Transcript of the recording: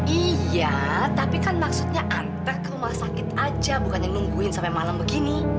iya tapi kan maksudnya anteh ke rumah sakit aja bukannya nungguin sampai malam begini